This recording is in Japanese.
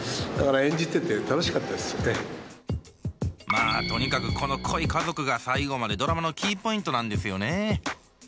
まあとにかくこの濃い家族が最後までドラマのキーポイントなんですよね。